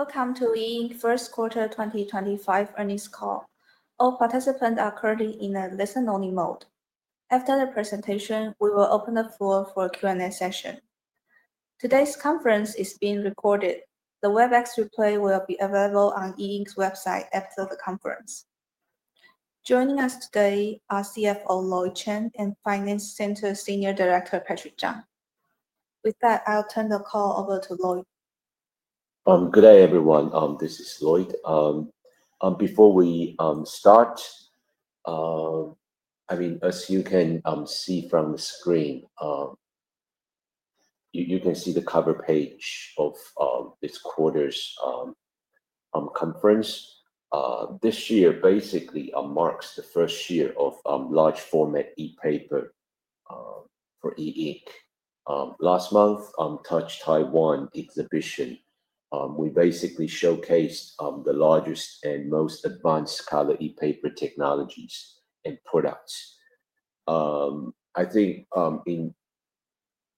Welcome to E Ink first quarter 2025 earnings call. All participants are currently in a listen-only mode. After the presentation, we will open the floor for a Q&A session. Today's conference is being recorded. The Webex replay will be available on E Ink's website after the conference. Joining us today are CFO Lloyd Chen and Finance Center Senior Director Patrick Chang. With that, I'll turn the call over to Lloyd. Good day, everyone. This is Lloyd. Before we start, I mean, as you can see from the screen, you can see the cover page of this quarter's conference. This year basically marks the first year of large-format e-paper for E Ink. Last month, Touch Taiwan exhibition, we basically showcased the largest and most advanced color e-paper technologies and products. I think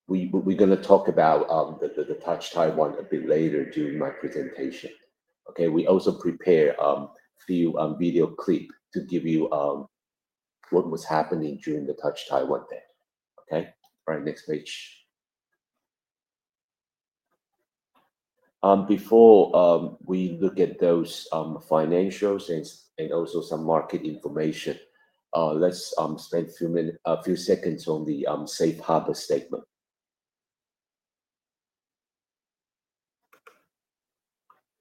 we're going to talk about the Touch Taiwan a bit later during my presentation. Okay. We also prepared a few video clips to give you what was happening during the Touch Taiwan thing. Okay. All right. Next page. Before we look at those financials and also some market information, let's spend a few seconds on the safe harbor statement.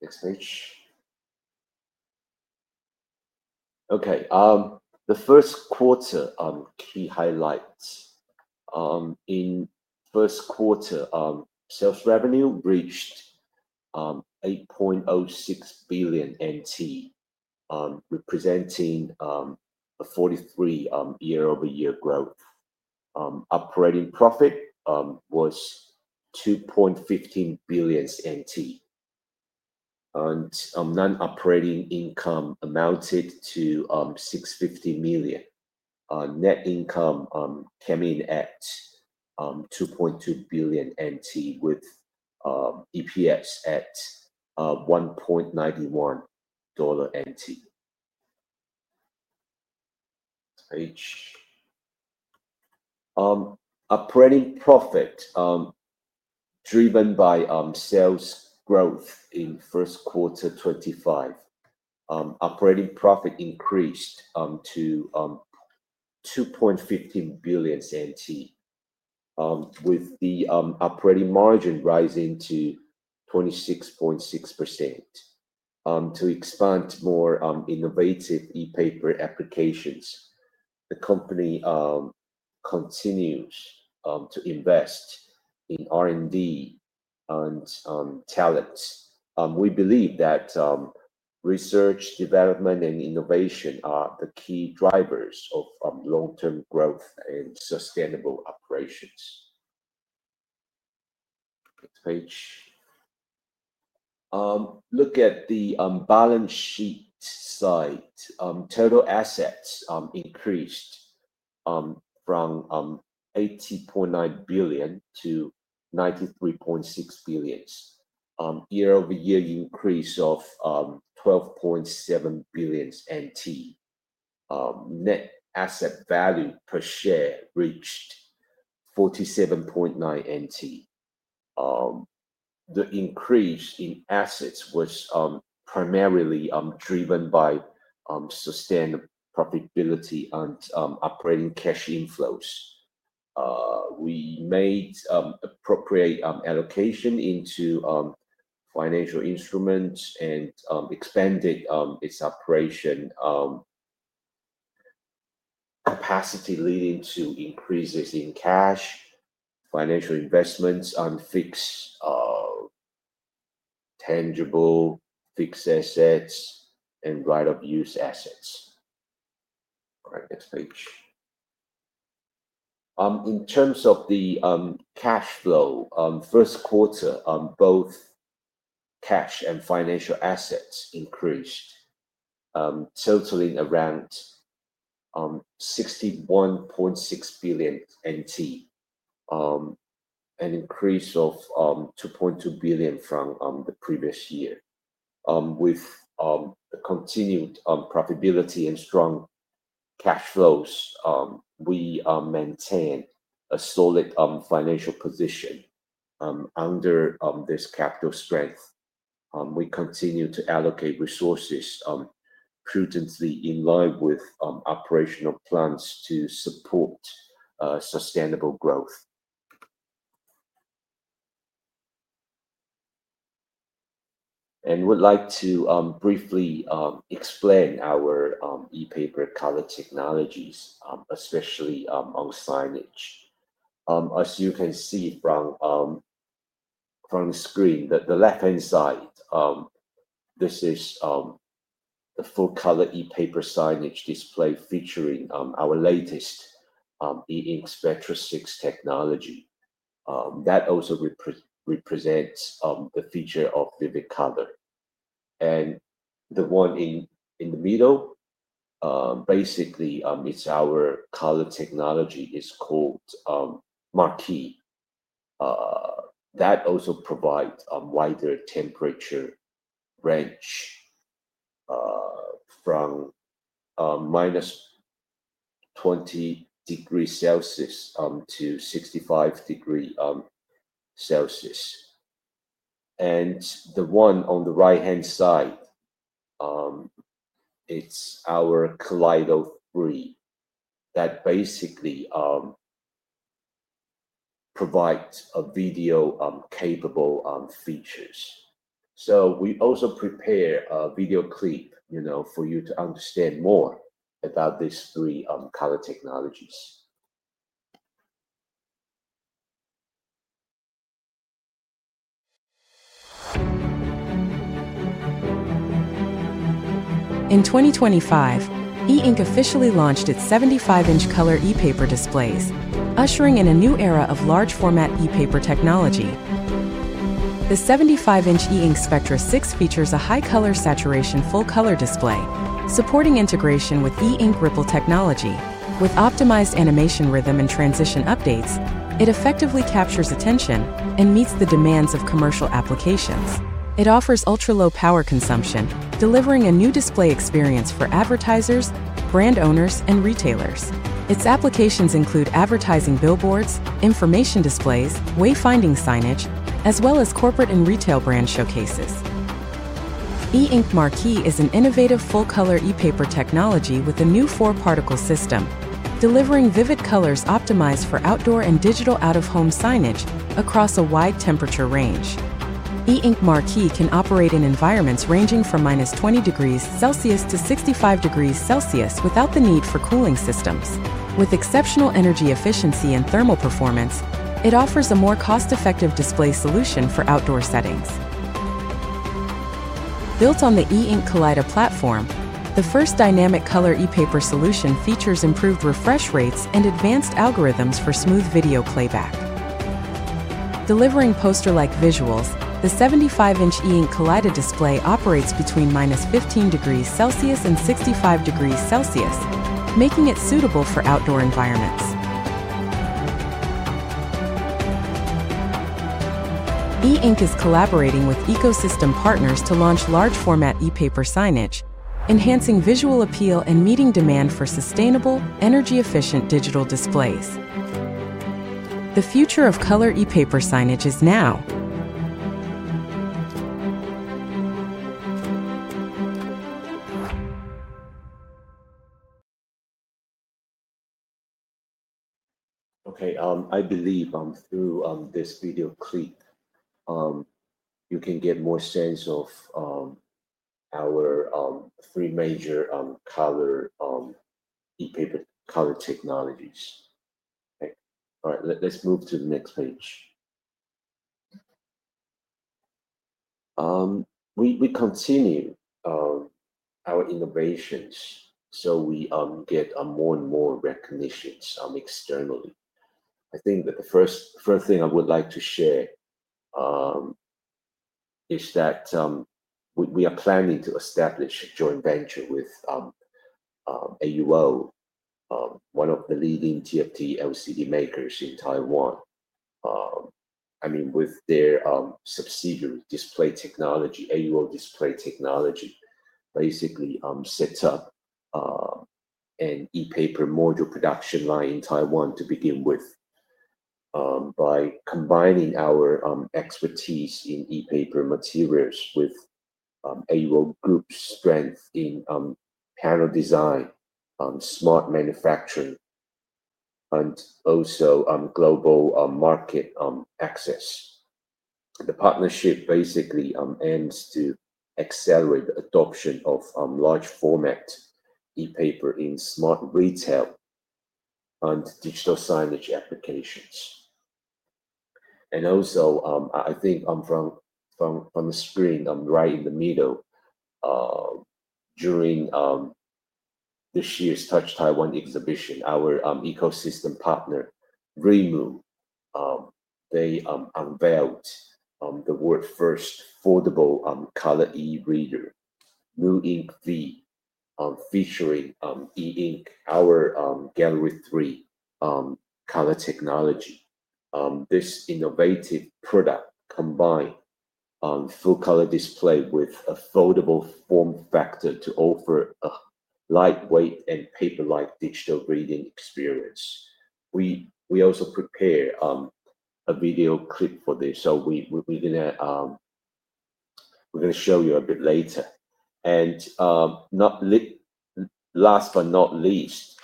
Next page. Okay. The first quarter key highlights. In first quarter, sales revenue reached 8.06 billion NT, representing a 43% year-over-year growth. Operating profit was 2.15 billion NT. Non-operating income amounted to 650 million. Net income came in at 2.2 billion NT with EPS at 1.91 NT dollars. Next page. Operating profit driven by sales growth in first quarter 2025. Operating profit increased to 2.15 billion, with the operating margin rising to 26.6%. To expand more innovative e-paper applications, the company continues to invest in R&D and talent. We believe that research, development, and innovation are the key drivers of long-term growth and sustainable operations. Next page. Look at the balance sheet side. Total assets increased from 80.9 billion to 93.6 billion. Year-over-year increase of 12.7 billion NT. Net asset value per share reached 47.9 NT. The increase in assets was primarily driven by sustained profitability and operating cash inflows. We made appropriate allocation into financial instruments and expanded its operation capacity, leading to increases in cash, financial investments, and fixed tangible fixed assets and right-of-use assets. All right. Next page. In terms of the cash flow, first quarter, both cash and financial assets increased, totaling around 61.6 billion NT, an increase of 2.2 billion from the previous year. With continued profitability and strong cash flows, we maintain a solid financial position under this capital strength. We continue to allocate resources prudently in line with operational plans to support sustainable growth. We would like to briefly explain our e-paper color technologies, especially on signage. As you can see from the screen, the left-hand side, this is the full-color e-paper signage display featuring our latest E Ink Spectra 6 technology. That also represents the feature of vivid color. The one in the middle, basically, it's our color technology called Marquee. That also provides a wider temperature range from minus 20 degrees Celsius to 65 degrees Celsius. The one on the right-hand side, it's our Kaleido 3. That basically provides video-capable features. We also prepared a video clip for you to understand more about these three color technologies. In 2025, E Ink officially launched its 75-inch color e-paper displays, ushering in a new era of large-format e-paper technology. The 75-inch E Ink Spectra 6 features a high-color saturation full-color display, supporting integration with E Ink Ripple technology. With optimized animation rhythm and transition updates, it effectively captures attention and meets the demands of commercial applications. It offers ultra-low power consumption, delivering a new display experience for advertisers, brand owners, and retailers. Its applications include advertising billboards, information displays, wayfinding signage, as well as corporate and retail brand showcases. E Ink Marquee is an innovative full-color e-paper technology with a new four-particle system, delivering vivid colors optimized for outdoor and digital out-of-home signage across a wide temperature range. E Ink Marquee can operate in environments ranging from minus 20 degrees Celsius to 65 degrees Celsius without the need for cooling systems. With exceptional energy efficiency and thermal performance, it offers a more cost-effective display solution for outdoor settings. Built on the E Ink Kaleido platform, the first dynamic color e-paper solution features improved refresh rates and advanced algorithms for smooth video playback. Delivering poster-like visuals, the 75-inch E Ink Kaleido display operates between minus 15 degrees Celsius and 65 degrees Celsius, making it suitable for outdoor environments. E Ink is collaborating with ecosystem partners to launch large-format e-paper signage, enhancing visual appeal and meeting demand for sustainable, energy-efficient digital displays. The future of color e-paper signage is now. Okay. I believe through this video clip, you can get more sense of our three major color e-paper color technologies. Okay. All right. Let's move to the next page. We continue our innovations, so we get more and more recognitions externally. I think the first thing I would like to share is that we are planning to establish a joint venture with AUO, one of the leading TFT LCD makers in Taiwan. I mean, with their subsidiary display technology, AUO Display Technology, basically set up an e-paper module production line in Taiwan to begin with by combining our expertise in e-paper materials with AUO Group's strength in panel design, smart manufacturing, and also global market access. The partnership basically aims to accelerate the adoption of large-format e-paper in smart retail and digital signage applications. I think from the screen right in the middle, during this year's Touch Taiwan exhibition, our ecosystem partner, Rimu, unveiled the world's first foldable color e-reader, mooInk V, featuring E Ink, our Gallery 3 color technology. This innovative product combines full-color display with a foldable form factor to offer a lightweight and paper-like digital reading experience. We also prepared a video clip for this, so we're going to show you a bit later. Last but not least,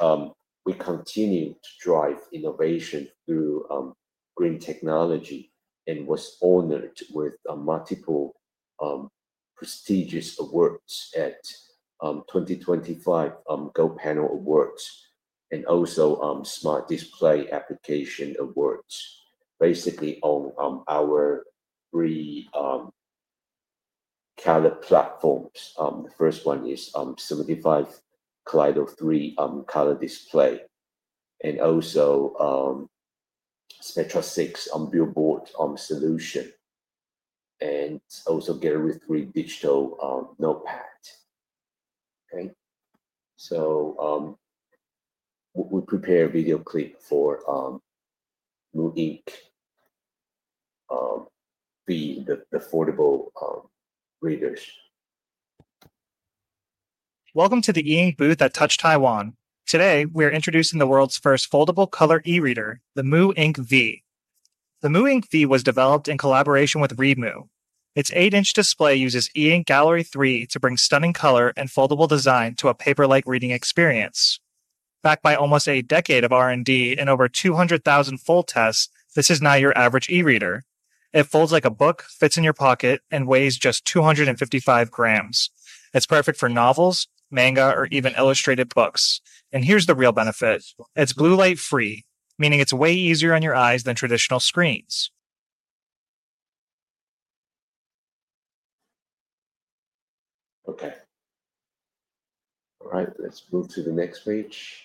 we continue to drive innovation through green technology and were honored with multiple prestigious awards at the 2025 Go Panel Awards and also Smart Display Application Awards, basically on our three color platforms. The first one is 75 Kaleido 3 color display, and also Spectra 6 billboard solution, and also Gallery 3 digital notepad. Okay. We prepared a video clip for mooInk V, the foldable readers. Welcome to the E Ink booth at Touch Taiwan. Today, we are introducing the world's first foldable color e-reader, the mooInk V. The mooInk V was developed in collaboration with Rimu. Its 8-inch display uses E Ink Gallery 3 to bring stunning color and foldable design to a paper-like reading experience. Backed by almost a decade of R&D and over 200,000 fold tests, this is not your average e-reader. It folds like a book, fits in your pocket, and weighs just 255 grams. It is perfect for novels, manga, or even illustrated books. Here is the real benefit. It is blue light-free, meaning it is way easier on your eyes than traditional screens. Okay. All right. Let's move to the next page.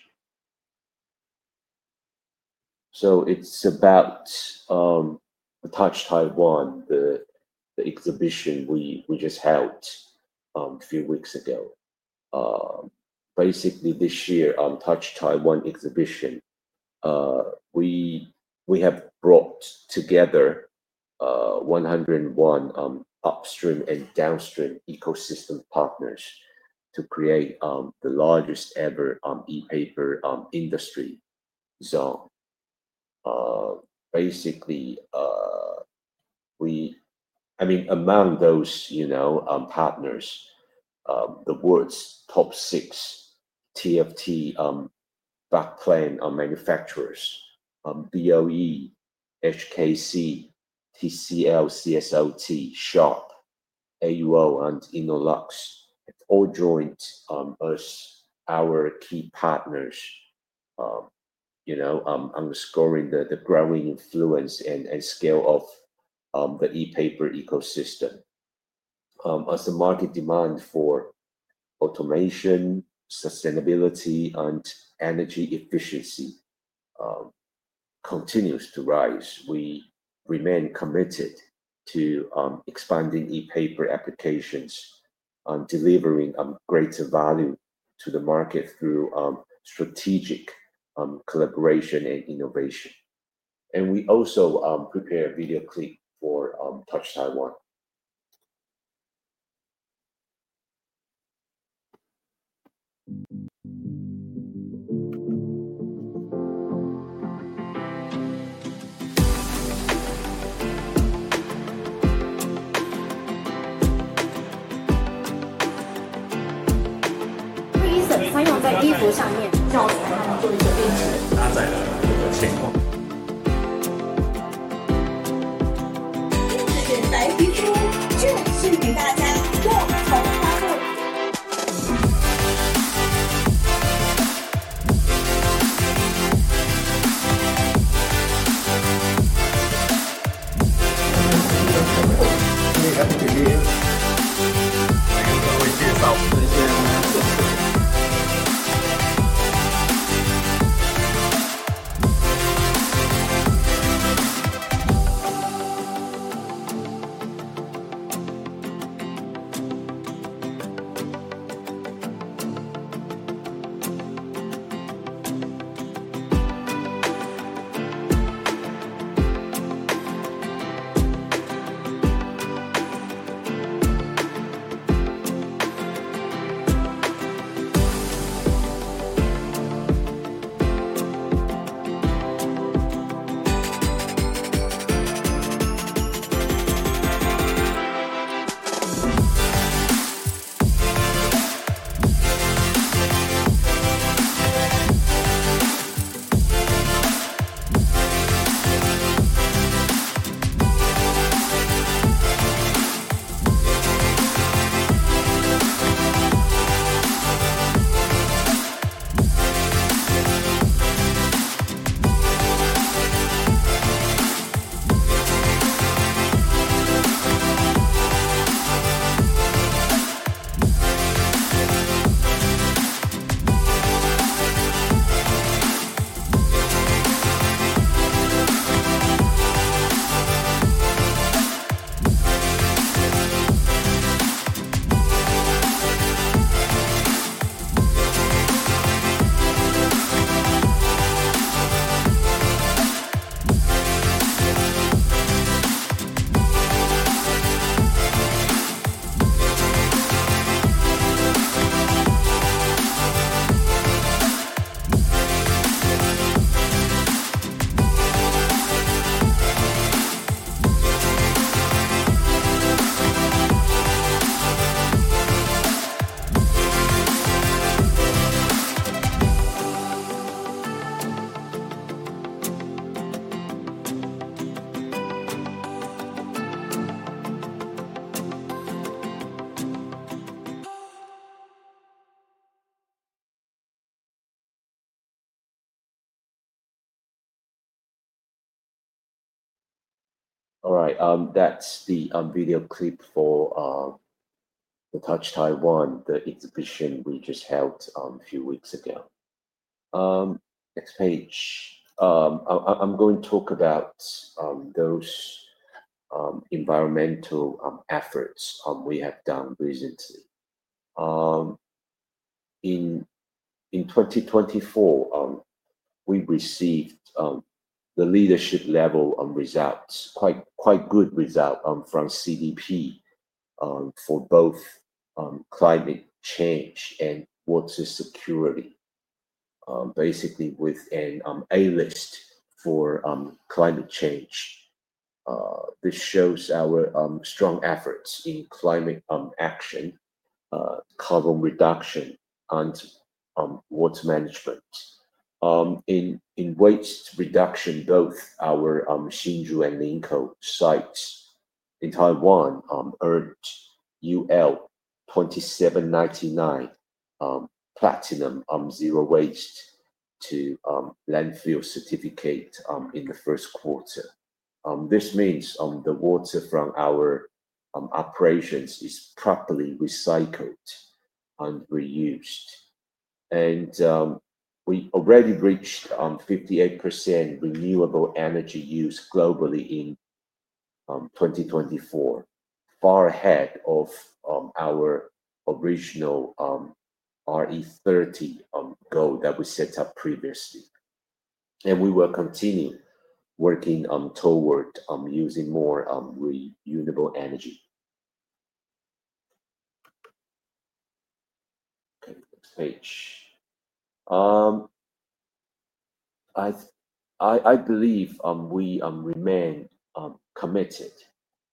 It is about Touch Taiwan, the exhibition we just held a few weeks ago. Basically, this year on Touch Taiwan exhibition, we have brought together 101 upstream and downstream ecosystem partners to create the largest ever e-paper industry. I mean, among those partners, the world's top six TFT backplane manufacturers: BOE, HKC, TCL, CSLT, Sharp, AUO, and Innolux all joined us, our key partners, underscoring the growing influence and scale of the e-paper ecosystem. As the market demand for automation, sustainability, and energy efficiency continues to rise, we remain committed to expanding e-paper applications and delivering greater value to the market through strategic collaboration and innovation. We also prepared a video clip for Touch Taiwan. All right. That is the video clip for the Touch Taiwan, the exhibition we just held a few weeks ago. Next page. I'm going to talk about those environmental efforts we have done recently. In 2024, we received the leadership-level results, quite good results from CDP for both climate change and water security, basically with an A-list for climate change. This shows our strong efforts in climate action, carbon reduction, and water management. In waste reduction, both our Xinzhou and Ningkou sites in Taiwan earned UL 2799, Platinum Zero Waste to Landfill Certificate in the first quarter. This means the water from our operations is properly recycled and reused. We already reached 58% renewable energy use globally in 2024, far ahead of our original RE30 goal that we set up previously. We will continue working toward using more renewable energy. Okay. Next page. I believe we remain committed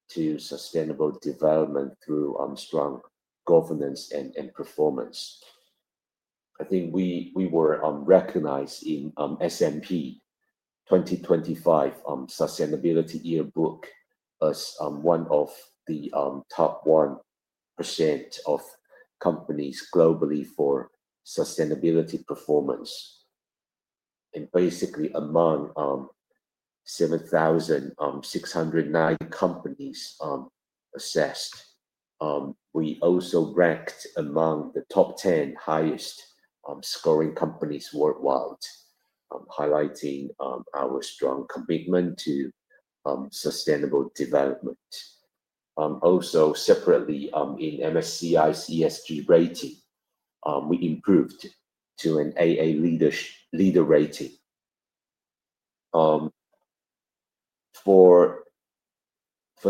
to sustainable development through strong governance and performance. I think we were recognized in S&P 2025 Sustainability Yearbook as one of the top 1% of companies globally for sustainability performance. Basically, among 7,609 companies assessed, we also ranked among the top 10 highest-scoring companies worldwide, highlighting our strong commitment to sustainable development. Also, separately, in MSCI ESG rating, we improved to an AA leader rating. For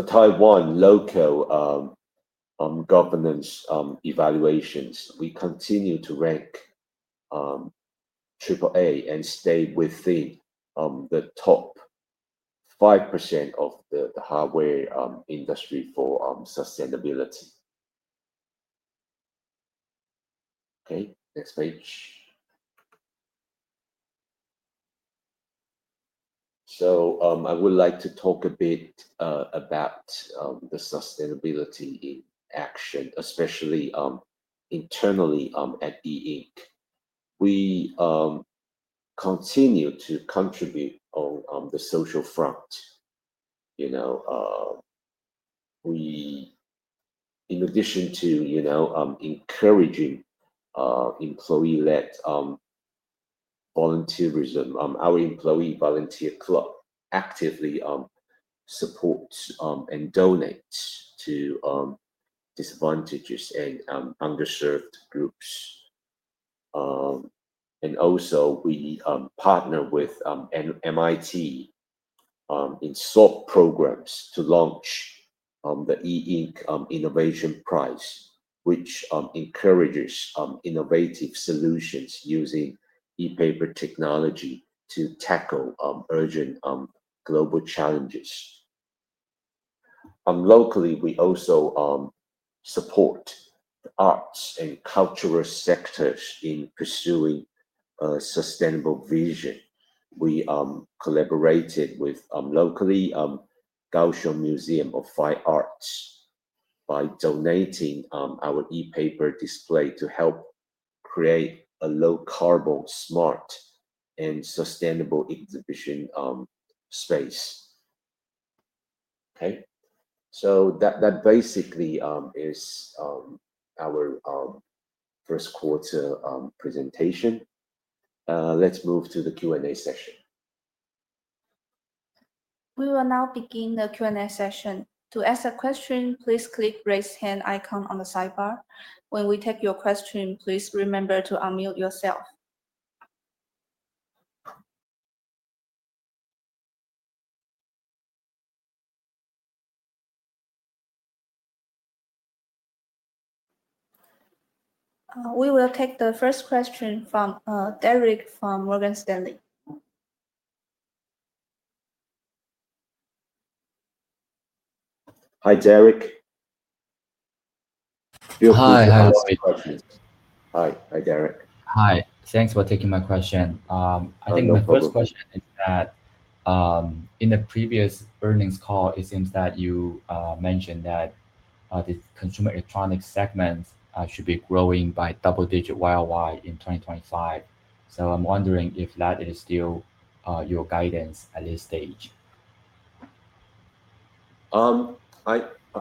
Taiwan local governance evaluations, we continue to rank AAA and stay within the top 5% of the hardware industry for sustainability. Okay. Next page. I would like to talk a bit about the sustainability in action, especially internally at E Ink. We continue to contribute on the social front. In addition to encouraging employee-led volunteerism, our employee volunteer club actively supports and donates to disadvantaged and underserved groups. We partner with MIT in soft programs to launch the E Ink Innovation Prize, which encourages innovative solutions using e-paper technology to tackle urgent global challenges. Locally, we also support the arts and cultural sectors in pursuing a sustainable vision. We collaborated with the Kaohsiung Museum of Fine Arts by donating our e-paper display to help create a low-carbon, smart, and sustainable exhibition space. Okay. That basically is our first quarter presentation. Let's move to the Q&A session. We will now begin the Q&A session. To ask a question, please click the raise hand icon on the sidebar. When we take your question, please remember to unmute yourself. We will take the first question from Derek from Morgan Stanley. Hi, Derek. Hi. Hi. Hi, Derek. Hi. Thanks for taking my question. I think the first question is that in the previous earnings call, it seems that you mentioned that the consumer electronics segment should be growing by double-digit YOY in 2025. I am wondering if that is still your guidance at this stage.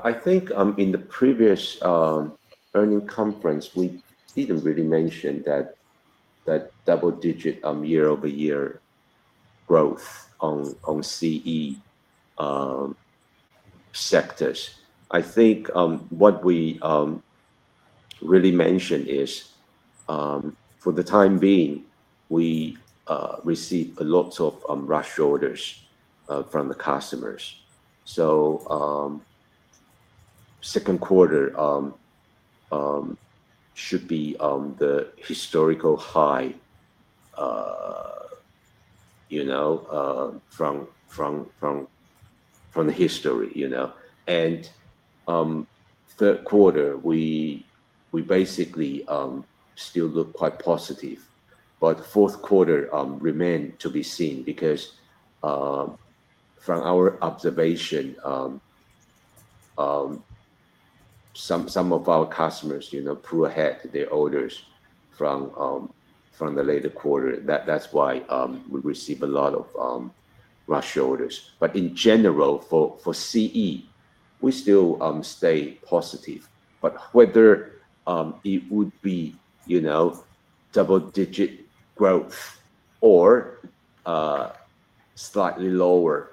I think in the previous earnings conference, we did not really mention that double-digit year-over-year growth on CE sectors. I think what we really mentioned is for the time being, we received lots of rush orders from the customers. Second quarter should be the historical high from the history. Third quarter, we basically still look quite positive. Fourth quarter remains to be seen because from our observation, some of our customers pull ahead their orders from the later quarter. That is why we receive a lot of rush orders. In general, for CE, we still stay positive. Whether it would be double-digit growth or slightly lower,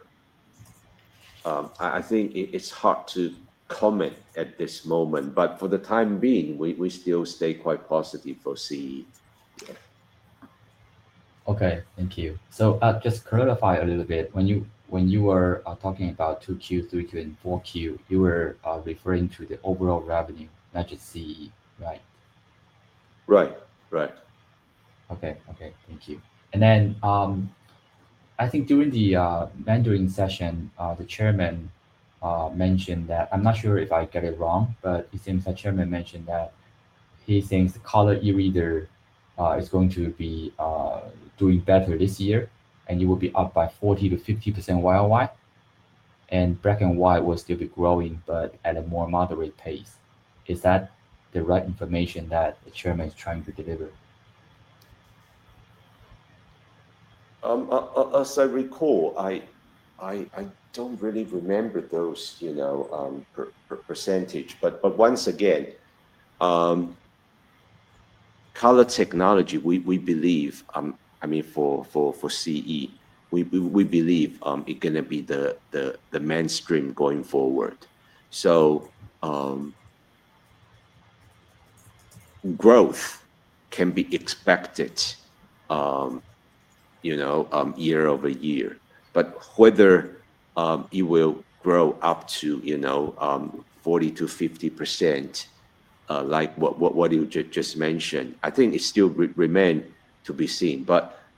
I think it is hard to comment at this moment. For the time being, we still stay quite positive for CE. Okay. Thank you. Just to clarify a little bit, when you were talking about 2Q, 3Q, and 4Q, you were referring to the overall revenue, not just CE, right? Right. Right. Okay. Okay. Thank you. During the mentoring session, the Chairman mentioned that, I'm not sure if I got it wrong, but it seems the Chairman mentioned that he thinks the color e-reader is going to be doing better this year, and it will be up by 40-50% year-over-year, and black and white will still be growing, but at a more moderate pace. Is that the right information that the Chairman is trying to deliver? As I recall, I don't really remember those percentages. Once again, color technology, we believe, I mean, for CE, we believe it's going to be the mainstream going forward. Growth can be expected year over year. Whether it will grow up to 40-50%, like what you just mentioned, I think it still remains to be seen.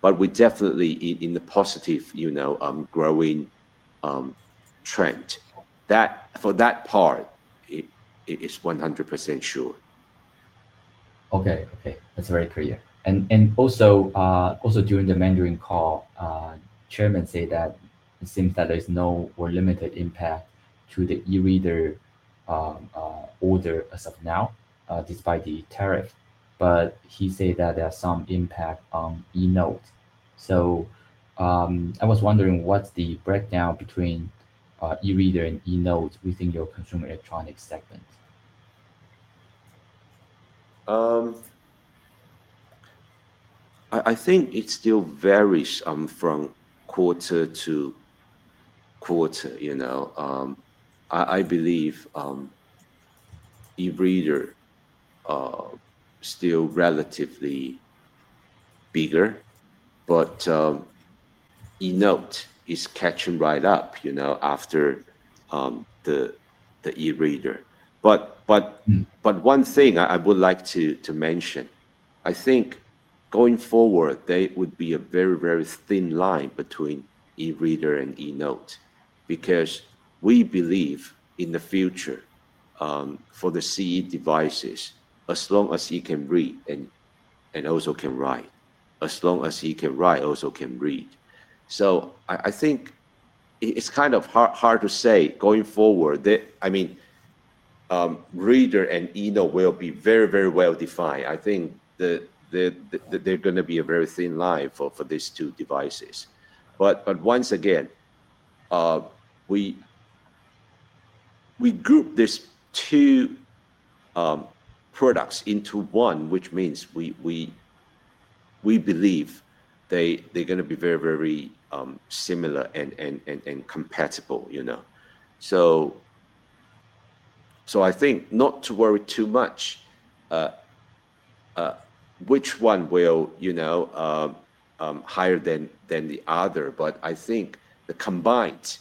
We're definitely in the positive growing trend. For that part, it is 100% sure. Okay. Okay. That is very clear. Also, during the mentoring call, the Chairman said that it seems that there is no or limited impact to the e-reader order as of now despite the tariff. He said that there is some impact on e-note. I was wondering what is the breakdown between e-reader and e-note within your consumer electronics segment? I think it still varies from quarter to quarter. I believe e-reader is still relatively bigger, but e-note is catching right up after the e-reader. One thing I would like to mention, I think going forward, there would be a very, very thin line between e-reader and e-note because we believe in the future for the CE devices, as long as he can read and also can write, as long as he can write, also can read. I think it's kind of hard to say going forward. I mean, reader and e-note will be very, very well defined. I think there's going to be a very thin line for these two devices. Once again, we group these two products into one, which means we believe they're going to be very, very similar and compatible. I think not to worry too much which one will be higher than the other. I think the combined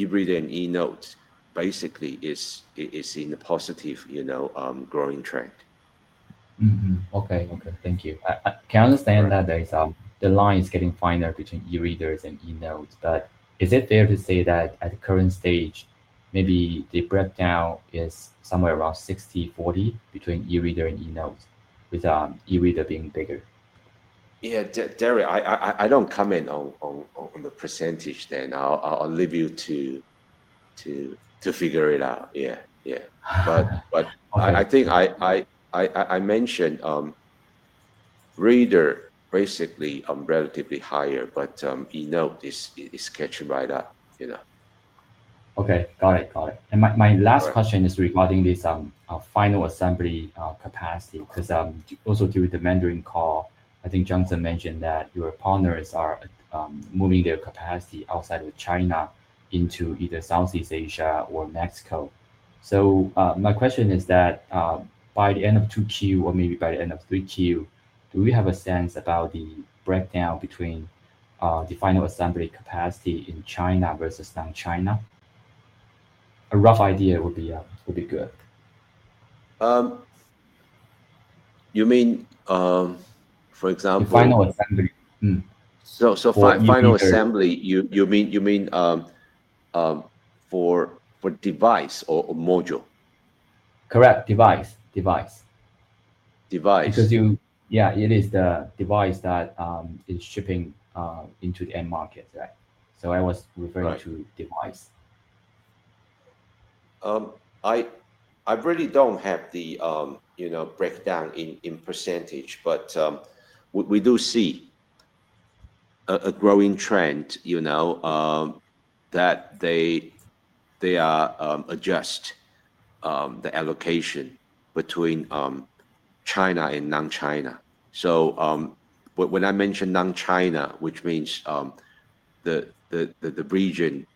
e-reader and e-note basically is in a positive growing trend. Okay. Okay. Thank you. I can understand that the line is getting finer between e-readers and e-note. Is it fair to say that at the current stage, maybe the breakdown is somewhere around 60/40 between e-reader and e-note with e-reader being bigger? Yeah. Derek, I don't comment on the percentage then. I'll leave you to figure it out. Yeah. Yeah. I think I mentioned reader basically relatively higher, but e-note is catching right up. Okay. Got it. Got it. My last question is regarding this final assembly capacity because also during the mentoring call, I think Johnson mentioned that your partners are moving their capacity outside of China into either Southeast Asia or Mexico. My question is that by the end of 2Q or maybe by the end of 3Q, do we have a sense about the breakdown between the final assembly capacity in China versus non-China? A rough idea would be good. You mean, for example? The final assembly. Final assembly, you mean for device or module? Correct. Device. Device. Because yeah, it is the device that is shipping into the end market, right? I was referring to device. I really don't have the breakdown in %, but we do see a growing trend that they are adjusting the allocation between China and non-China. When I mention non-China, that means the region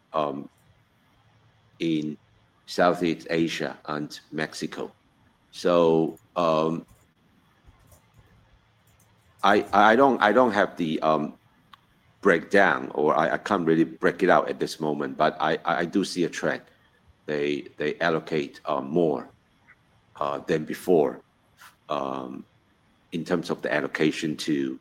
in Southeast Asia and Mexico. I don't have the breakdown, or I can't really break it out at this moment, but I do see a trend. They allocate more than before in terms of the allocation to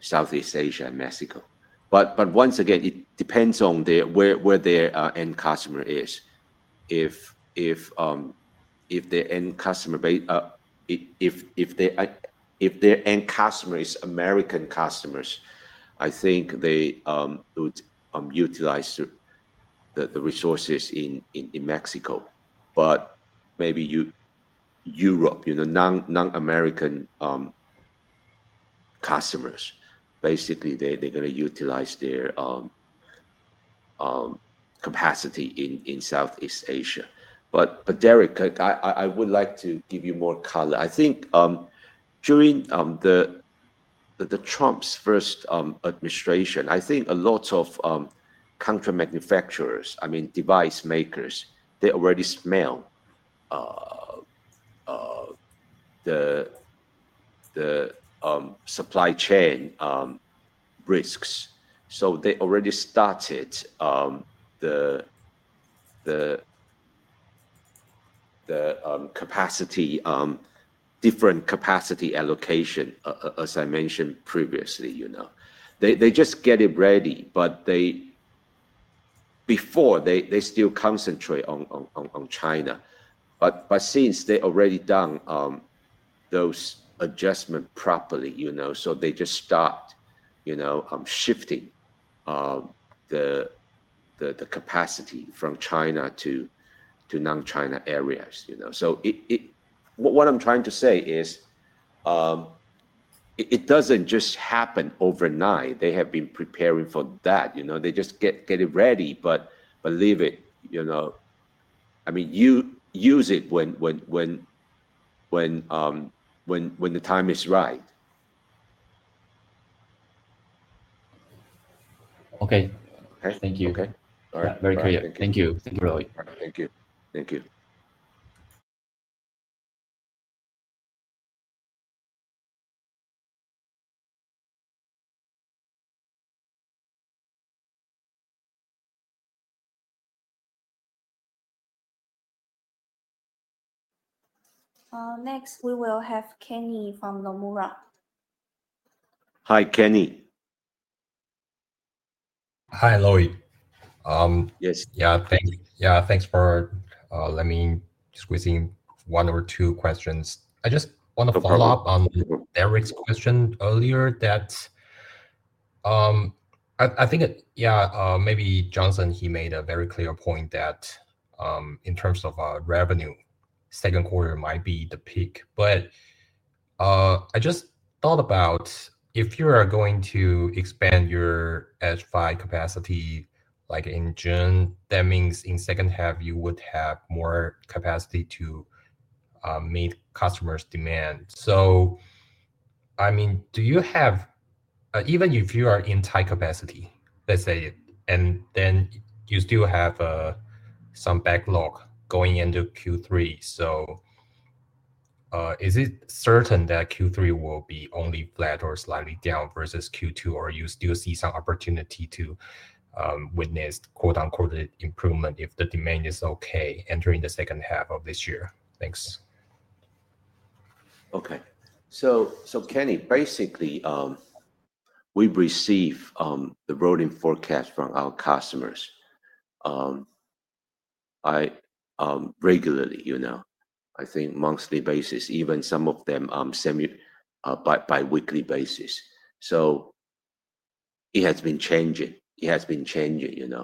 Southeast Asia and Mexico. Once again, it depends on where their end customer is. If their end customer is American customers, I think they would utilize the resources in Mexico. Maybe Europe, non-American customers, basically, they're going to utilize their capacity in Southeast Asia. Derek, I would like to give you more color. I think during the Trump's first administration, I think a lot of country manufacturers, I mean, device makers, they already smell the supply chain risks. They already started the different capacity allocation, as I mentioned previously. They just get it ready. Before, they still concentrate on China. Since they've already done those adjustments properly, they just start shifting the capacity from China to non-China areas. What I'm trying to say is it does not just happen overnight. They have been preparing for that. They just get it ready. Believe it, I mean, use it when the time is right. Okay. Thank you. Very clear. Thank you. Thank you, Lloyd. Thank you. Thank you. Next, we will have Kenny from Nomura. Hi, Kenny. Hi, Lloyd. Yes. Yeah. Thanks for letting me squeeze in one or two questions. I just want to follow up on Derek's question earlier that I think, yeah, maybe Johnson, he made a very clear point that in terms of revenue, second quarter might be the peak. I just thought about if you are going to expand your edge file capacity in June, that means in second half, you would have more capacity to meet customers' demand. I mean, do you have, even if you are in tight capacity, let's say, and then you still have some backlog going into Q3, so is it certain that Q3 will be only flat or slightly down versus Q2, or you still see some opportunity to witness "improvement" if the demand is okay entering the second half of this year? Thanks. Okay. So Kenny, basically, we receive the roading forecast from our customers regularly, I think, monthly basis, even some of them on biweekly basis. It has been changing.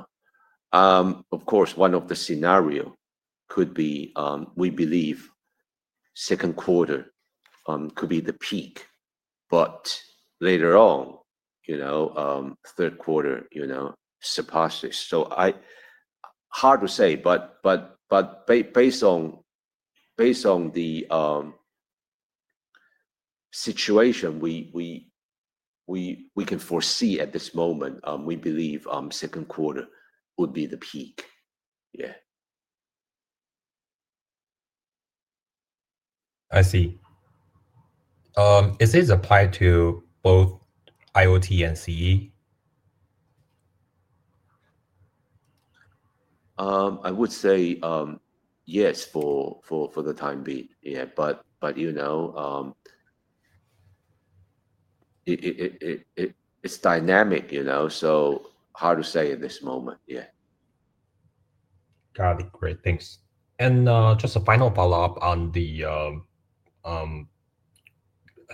Of course, one of the scenarios could be we believe second quarter could be the peak, but later on, third quarter surpasses. Hard to say. Based on the situation we can foresee at this moment, we believe second quarter would be the peak. Yeah. I see. Is this applied to both IoT and CE? I would say yes for the time being. Yeah. It is dynamic, so hard to say at this moment. Yeah. Got it. Great. Thanks. Just a final follow-up on the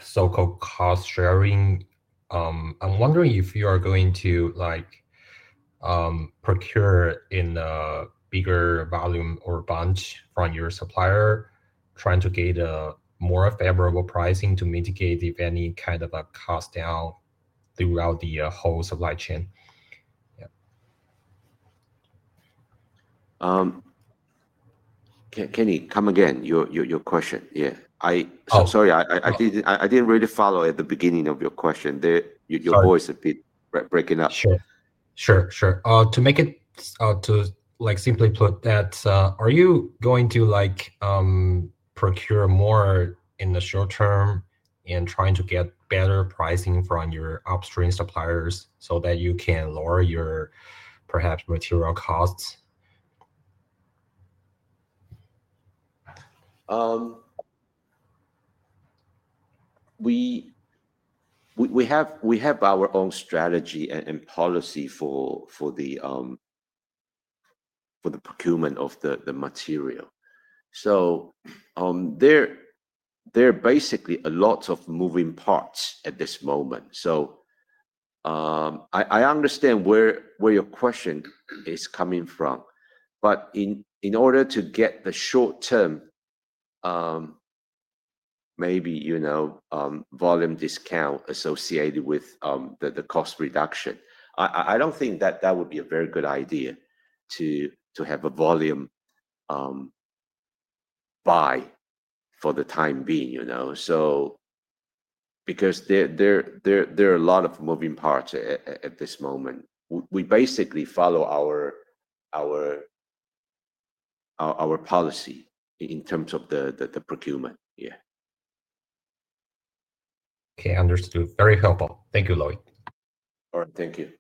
so-called cost sharing. I'm wondering if you are going to procure in a bigger volume or bunch from your supplier, trying to get a more favorable pricing to mitigate if any kind of a cost down throughout the whole supply chain. Yeah. Kenny, come again, your question. Yeah. Sorry, I did not really follow at the beginning of your question. Your voice is a bit breaking up. Sure. To make it simply put, are you going to procure more in the short term and trying to get better pricing from your upstream suppliers so that you can lower your perhaps material costs? We have our own strategy and policy for the procurement of the material. There are basically a lot of moving parts at this moment. I understand where your question is coming from. In order to get the short-term maybe volume discount associated with the cost reduction, I do not think that that would be a very good idea to have a volume buy for the time being. Because there are a lot of moving parts at this moment, we basically follow our policy in terms of the procurement. Yeah. Okay. Understood. Very helpful. Thank you, Lloyd. All right. Thank you.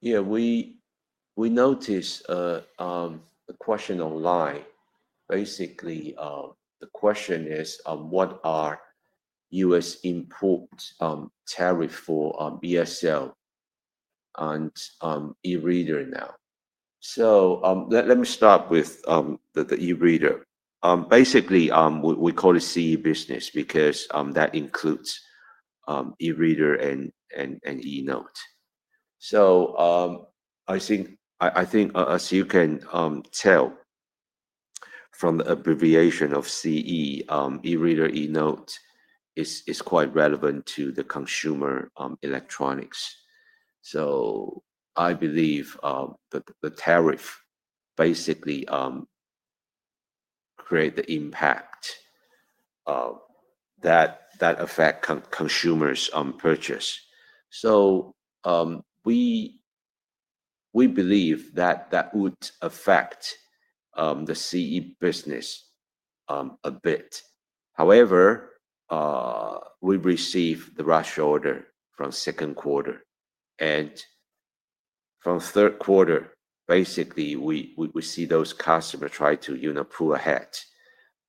Yeah. We noticed a question online. Basically, the question is, what are U.S. import tariffs for ESL and e-reader now? Let me start with the e-reader. Basically, we call it CE business because that includes e-reader and e-note. I think, as you can tell from the abbreviation of CE, e-reader, e-note is quite relevant to the consumer electronics. I believe the tariff basically creates the impact that affects consumers' purchase. We believe that that would affect the CE business a bit. However, we received the rush order from second quarter. From third quarter, basically, we see those customers try to pull ahead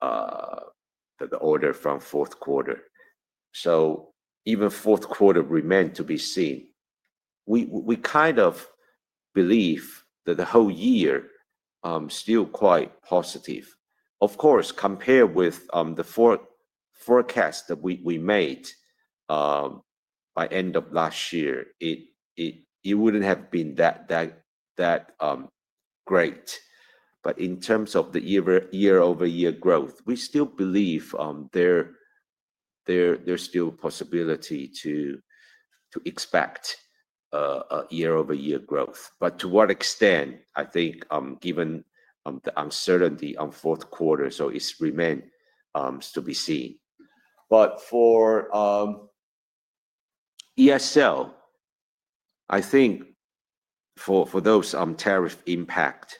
the order from fourth quarter. Even fourth quarter remained to be seen. We kind of believe that the whole year is still quite positive. Of course, compared with the forecast that we made by the end of last year, it would not have been that great. In terms of the year-over-year growth, we still believe there is still a possibility to expect year-over-year growth. To what extent, I think, given the uncertainty on fourth quarter, it remains to be seen. For ESL, I think for those tariff impacts,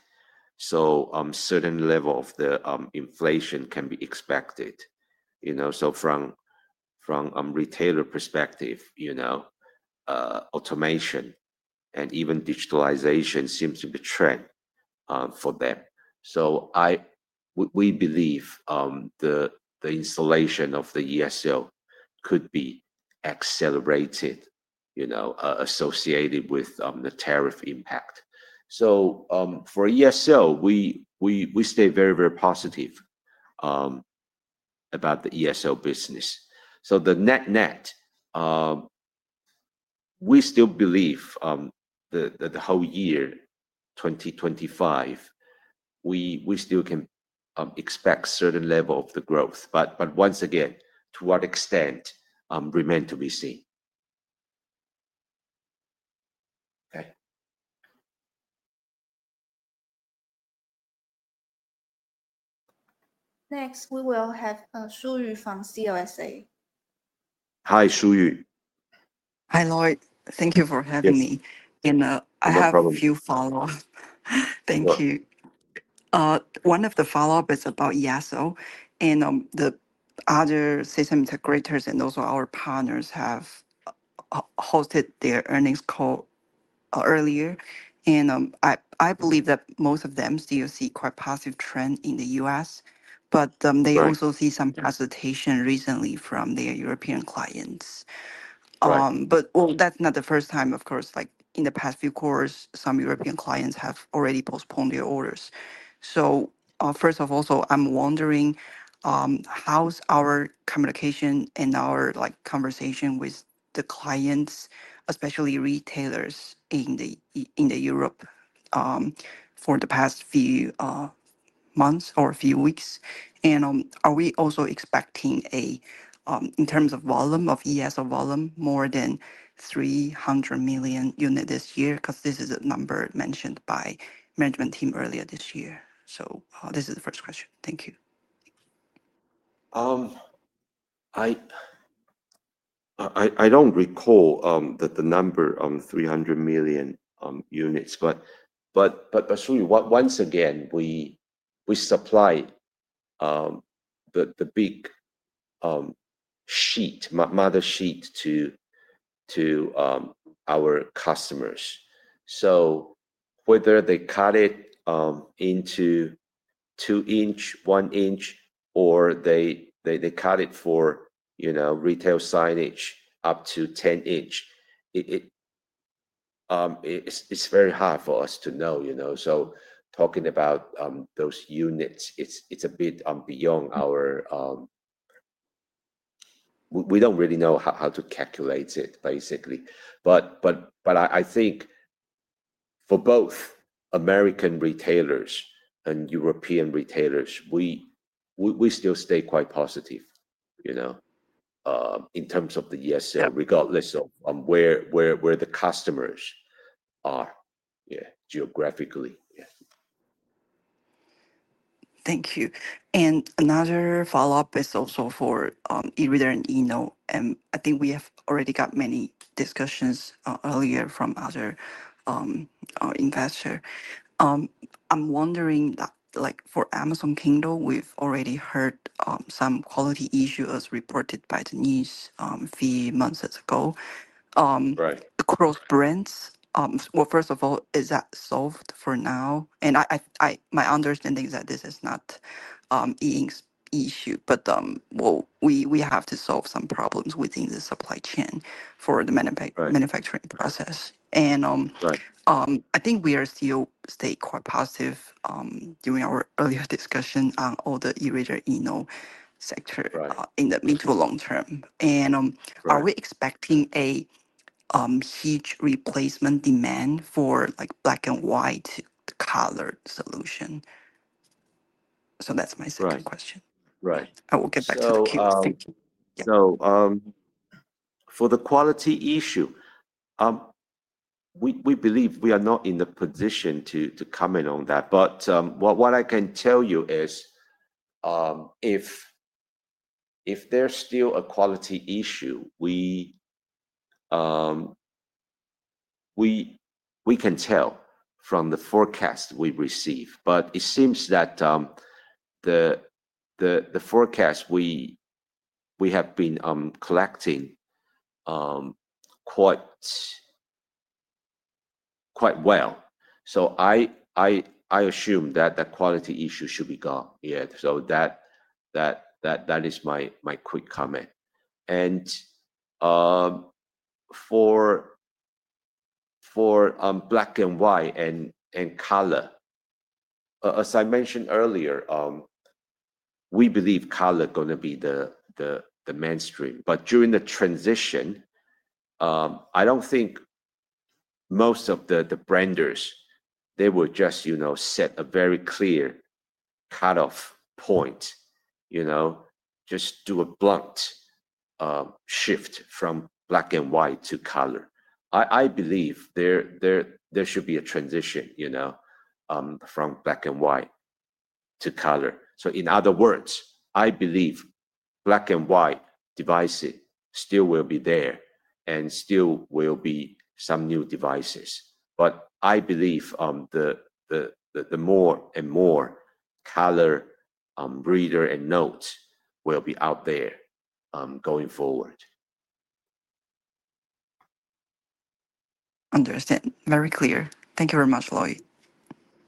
a certain level of the inflation can be expected. From a retailer perspective, automation and even digitalization seems to be a trend for them. We believe the installation of the ESL could be accelerated associated with the tariff impact. For ESL, we stay very, very positive about the ESL business. The net-net, we still believe that the whole year, 2025, we still can expect a certain level of the growth. Once again, to what extent remains to be seen. Okay. Next, we will have Shuyu from CLSA. Hi, Shu-Yu. Hi, Lloyd. Thank you for having me. I have a few follow-ups. Thank you. One of the follow-ups is about ESL. The other system integrators and also our partners have hosted their earnings call earlier. I believe that most of them still see quite a positive trend in the U.S. They also see some hesitation recently from their European clients. That is not the first time, of course. In the past few quarters, some European clients have already postponed their orders. First of all, I am wondering how is our communication and our conversation with the clients, especially retailers in Europe for the past few months or few weeks? Are we also expecting, in terms of volume of ESL volume, more than 300 million units this year? This is a number mentioned by the management team earlier this year. you. This is the first question. I don't recall the number of 300 million units. Shu-Yu, once again, we supply the big sheet, mother sheet to our customers. Whether they cut it into 2-inch, 1-inch, or they cut it for retail signage up to 10-inch, it's very hard for us to know. Talking about those units, it's a bit beyond our, we don't really know how to calculate it, basically. I think for both American retailers and European retailers, we still stay quite positive in terms of the ESL, regardless of where the customers are geographically. Thank you. Another follow-up is also for e-reader and e-note. I think we have already got many discussions earlier from other investors. I'm wondering, for Amazon Kindle, we've already heard some quality issues reported by the news a few months ago. Across brands, first of all, is that solved for now? My understanding is that this is not an issue, but we have to solve some problems within the supply chain for the manufacturing process. I think we are still staying quite positive during our earlier discussion on all the e-reader and e-note sector in the medium to long term. Are we expecting a huge replacement demand for black and white colored solution? That's my second question. Right. Right. I will get back to you. Thank you. For the quality issue, we believe we are not in a position to comment on that. What I can tell you is if there is still a quality issue, we can tell from the forecast we receive. It seems that the forecast we have been collecting quite well. I assume that the quality issue should be gone. Yeah. That is my quick comment. For black and white and color, as I mentioned earlier, we believe color is going to be the mainstream. During the transition, I do not think most of the branders will just set a very clear cutoff point, just do a blunt shift from black and white to color. I believe there should be a transition from black and white to color. In other words, I believe black and white devices still will be there and still will be some new devices. I believe the more and more color reader and notes will be out there going forward. Understood. Very clear. Thank you very much, Lloyd.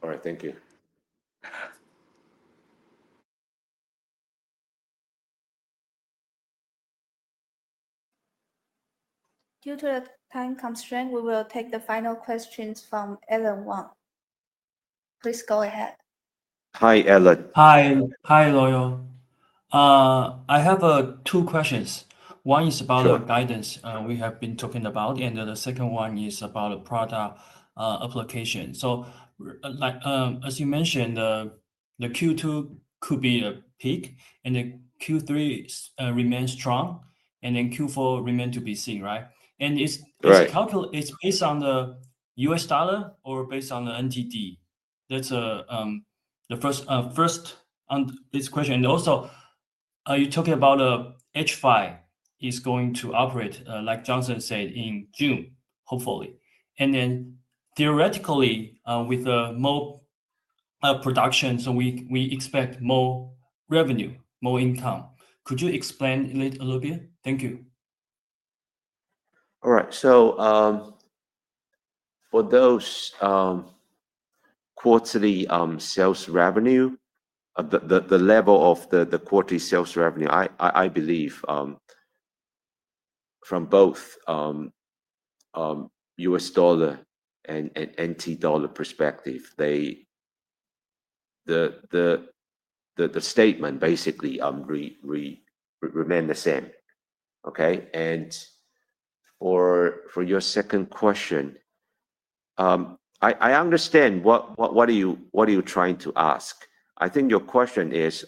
All right. Thank you. Due to the time constraint, we will take the final questions from Ellen Wang. Please go ahead. Hi, Ellen. Hi, Lloyd. I have two questions. One is about the guidance we have been talking about. The second one is about the product application. As you mentioned, the Q2 could be a peak, and the Q3 remains strong, and then Q4 remains to be seen, right? Is it based on the US dollar or based on the NTD? That is the first question. Also, are you talking about H5 is going to operate, like Johnson said, in June, hopefully? Theoretically, with more production, we expect more revenue, more income. Could you explain it a little bit? Thank you. All right. For those quarterly sales revenue, the level of the quarterly sales revenue, I believe from both USD and TWD perspective, the statement basically remains the same. Okay? For your second question, I understand what you are trying to ask. I think your question is,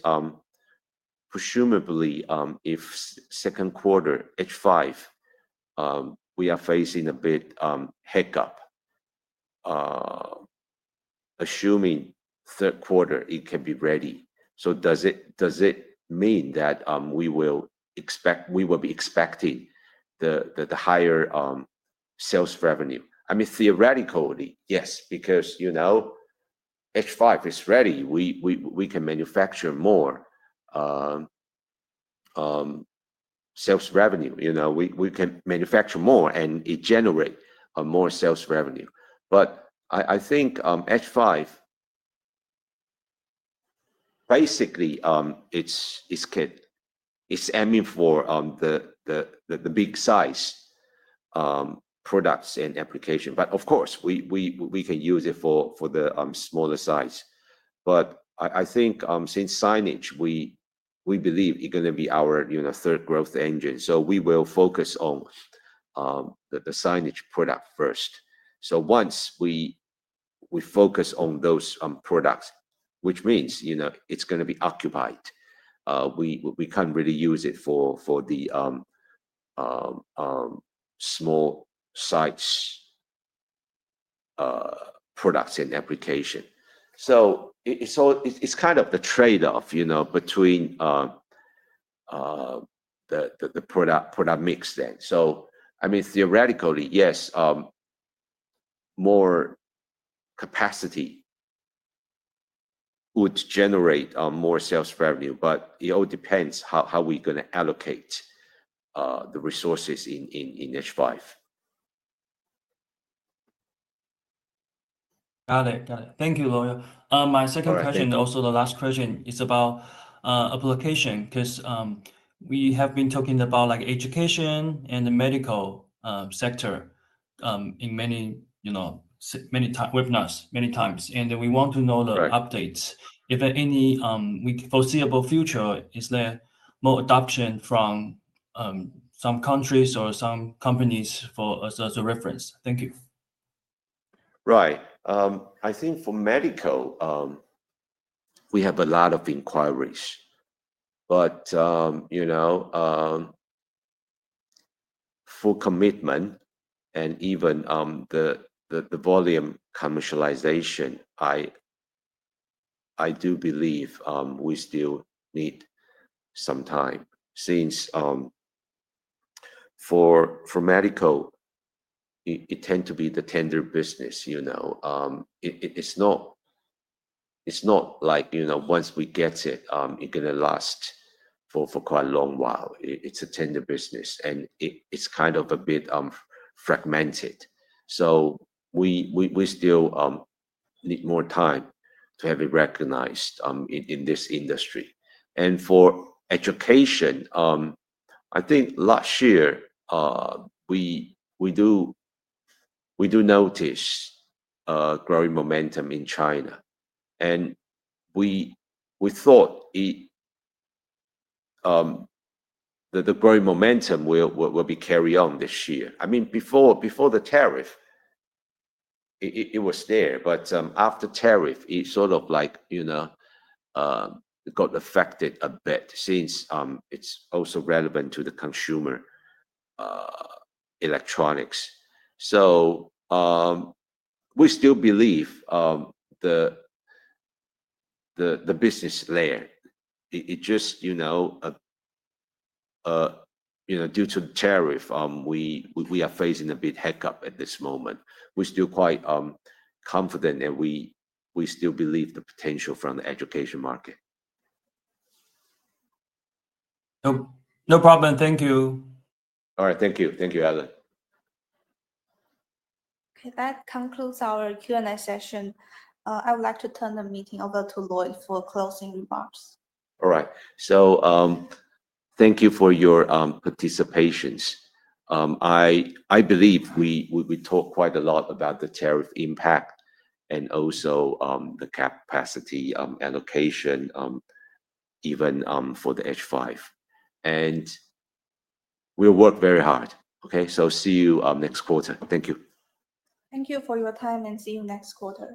presumably, if second quarter H5, we are facing a bit of hiccup, assuming third quarter, it can be ready. Does it mean that we will be expecting the higher sales revenue? I mean, theoretically, yes, because H5 is ready. We can manufacture more, and it generates more sales revenue. I think H5, basically, is aiming for the big-size products and applications. Of course, we can use it for the smaller size. I think since signage, we believe it is going to be our third growth engine. We will focus on the signage product first. Once we focus on those products, which means it is going to be occupied, we cannot really use it for the small-size products and applications. It is kind of the trade-off between the product mix then. I mean, theoretically, yes, more capacity would generate more sales revenue. It all depends on how we are going to allocate the resources in H5. Got it. Got it. Thank you, Lloyd. My second question, also the last question, is about application because we have been talking about education and the medical sector in many webinars many times. We want to know the updates. If any, foreseeable future, is there more adoption from some countries or some companies as a reference? Thank you. Right. I think for medical, we have a lot of inquiries. For commitment and even the volume commercialization, I do believe we still need some time since for medical, it tends to be the tender business. It's not like once we get it, it's going to last for quite a long while. It's a tender business, and it's kind of a bit fragmented. We still need more time to have it recognized in this industry. For education, I think last year, we do notice growing momentum in China. We thought that the growing momentum will be carried on this year. I mean, before the tariff, it was there. After tariff, it sort of got affected a bit since it's also relevant to the consumer electronics. We still believe the business layer. It's just due to the tariff, we are facing a bit of hiccup at this moment. We're still quite confident, and we still believe the potential from the education market. No problem. Thank you. All right. Thank you. Thank you, Ellen. Okay. That concludes our Q&A session. I would like to turn the meeting over to Lloyd for closing remarks. All right. So thank you for your participation. I believe we talked quite a lot about the tariff impact and also the capacity allocation, even for the H5. And we'll work very hard. Okay? See you next quarter. Thank you. Thank you for your time, and see you next quarter.